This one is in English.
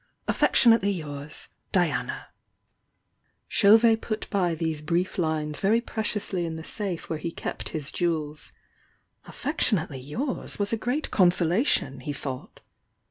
"Affectionately yours, "Diana." 343 THE YOUNG DIANA 248 Chauvet put by these brief lines very preciously in the safe where he kept his jewels,— "Affection ately yours" was a great consolation, he thought!